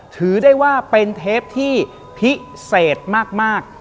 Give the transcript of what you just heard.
ถือได้ว่าเป็นเทปที่พิเศษมาก